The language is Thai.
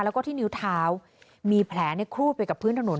แล้วก็ที่นิ้วเท้ามีแผลในครูดไปกับพื้นถนน